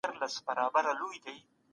د پوهانو نظر فقر ته واوښت.